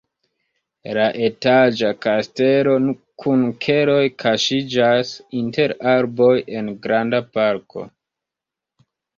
La etaĝa kastelo kun keloj kaŝiĝas inter arboj en granda parko.